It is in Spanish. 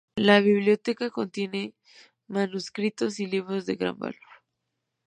La biblioteca contiene manuscritos y libros de gran valor.